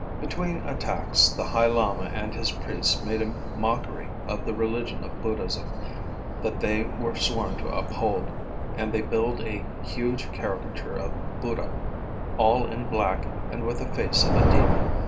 Between attacks, the High Lama and his priests made mockery of the religion of Buddhism that they were sworn to uphold, and they built a huge caricature of Buddha, all in black and with the face of a demon.